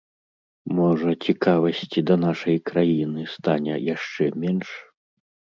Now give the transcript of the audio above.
Можа, цікавасці да нашай краіны стане яшчэ менш?